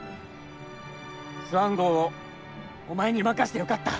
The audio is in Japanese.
スワン号をお前に任してよかった。